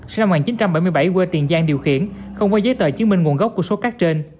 sinh năm một nghìn chín trăm bảy mươi bảy quê tiền giang điều khiển không có giấy tờ chứng minh nguồn gốc của số cát trên